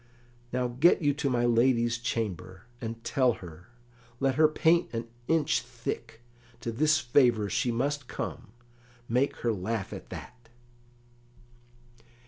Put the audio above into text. Now get you to my lady's chamber, and tell her, let her paint an inch thick, to this favour she must come; make her laugh at that."